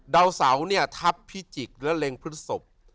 ดาวเสาเนี่ยทัพพิจิกและเล็งพฤศพ